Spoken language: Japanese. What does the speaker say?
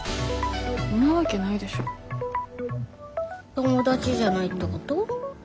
友達じゃないってこと？